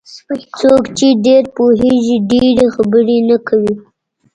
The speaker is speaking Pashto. څوک چې ډېر پوهېږي ډېرې خبرې نه کوي.